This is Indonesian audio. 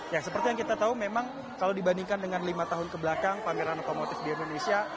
ya seperti yang kita tahu memang kalau dibandingkan dengan lima tahun kebelakang pameran otomotif di indonesia